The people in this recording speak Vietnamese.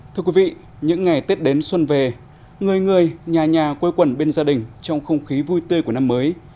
thưa quý vị những ngày tết đến xuân về người người nhà nhà quây quần bên gia đình trong không khí vui tươi của năm mới